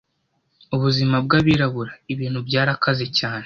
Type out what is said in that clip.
Ubuzima bwabirabura Ibintu byarakaze cyane